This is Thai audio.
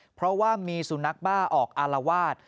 เพราะว่ามีสุนัขบ้าออกอารวาส